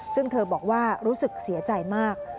ซึ่งเธอบอกว่ารู้สึกเสียใจมาก